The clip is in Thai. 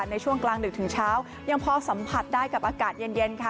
ในช่วงกลางดึกถึงเช้ายังพอสัมผัสได้กับอากาศเย็นค่ะ